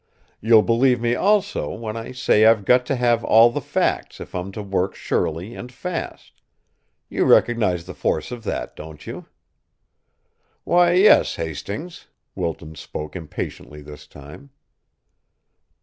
You'll believe me, also, when I say I've got to have all the facts if I'm to work surely and fast. You recognize the force of that, don't you?" "Why, yes, Hastings." Wilton spoke impatiently this time.